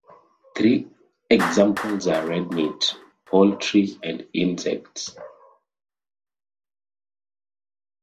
Three examples are red meat, poultry, and insects.